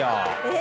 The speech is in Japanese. え！